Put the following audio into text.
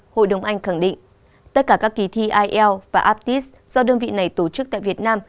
hội đồng anh khẳng định tất cả các kỳ thi ielts và aptis do đơn vị này tổ chức tại việt nam